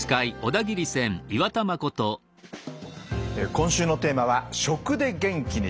今週のテーマは「『食』で元気に！」